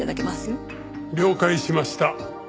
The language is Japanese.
了解しました。